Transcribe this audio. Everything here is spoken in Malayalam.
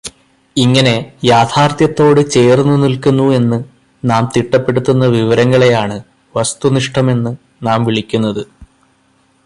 ഇങ്ങനെ യാഥാർത്ഥ്യത്തോട് ചേർന്നു നിൽക്കുന്നുവെന്നു നാം തിട്ടപ്പെടുത്തുന്ന വിവരങ്ങളെയാണ് വസ്തുനിഷ്ഠമെന്നു നാം വിളിക്കുന്നത്.